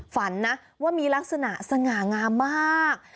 ฝันนะว่ามีลักษณะสง่างามมาก